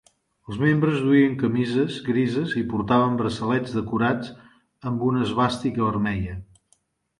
Els membres duien camises grises i portaven braçalets decorats amb una esvàstica vermella.